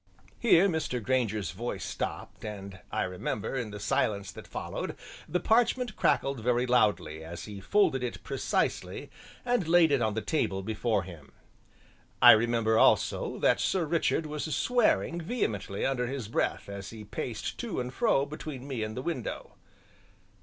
"' Here Mr. Grainger's voice stopped, and I remember, in the silence that followed, the parchment crackled very loudly as he folded it precisely and laid it on the table before him. I remember also that Sir Richard was swearing vehemently under his breath as he paced to and fro between me and the window.